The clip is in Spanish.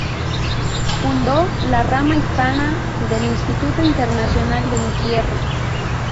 Fundó la rama hispana del Instituto Internacional del Hierro.